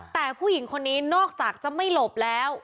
แต่ผู้หญิงคนนี้นอกจากจะไม่หลบแล้ว